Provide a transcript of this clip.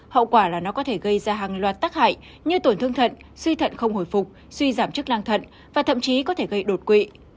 hậu quả là nó có thể gây ra hàng loạt tác hại như tổn thương thận suy thận không hồi phục suy giảm chức năng thận và thậm chí có thể gây đột quỵ